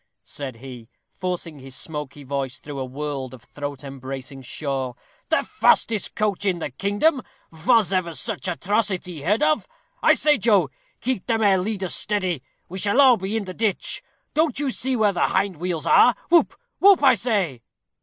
said he, forcing his smoky voice through a world of throat embracing shawl; "the fastest coach in the kingdom: vos ever such atrocity heard of? I say, Joe, keep them ere leaders steady; we shall all be in the ditch. Don't you see where the hind wheels are? Who whoop, I say."